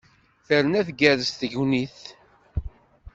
Terna tgerrez tegnit!